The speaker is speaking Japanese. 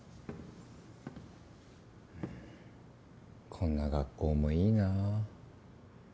こんな学校もいいなぁ。